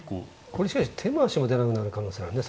これしかし手も足も出なくなる可能性あるね